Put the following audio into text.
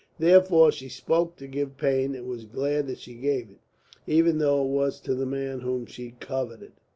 Therefore she spoke to give pain and was glad that she gave it, even though it was to the man whom she coveted.